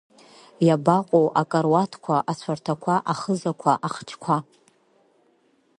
Иабаҟоу акаруатқәа, ацәарҭақәа, ахызақәа, ахчқәа?